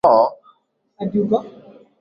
Mto hufuata mwendo wake kwa mtelemko